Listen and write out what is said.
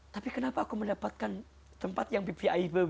tapi kenapa aku mendapatkan tempat yang pipi aibu